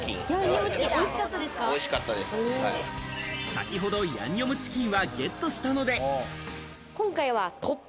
先ほどヤンニョムチキンはゲットしたので。